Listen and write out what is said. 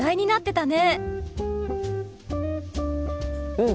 うん！